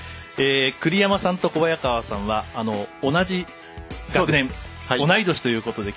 栗山さんと小早川さんは同じ学年、同い年ということで。